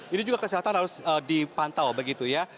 ini juga kesehatan harus dipantau begitu ya